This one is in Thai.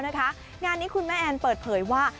งานนี้คุณแม่แอนเปิดเผยว่า